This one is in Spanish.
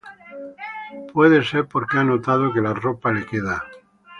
puede ser porque ha notado que la ropa le queda